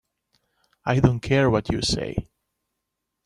I don't care what you say.